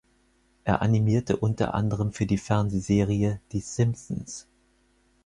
Er animierte unter anderem für die Fernsehserie Die Simpsons.